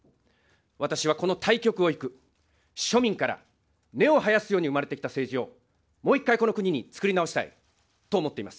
私はこの対極をいく、庶民から根を生やすように生まれてきた政治を、もう一回この国につくり直したいと思っています。